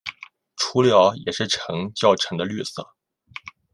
雏鸟也是呈较沉的绿色。